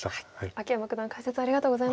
秋山九段解説ありがとうございました。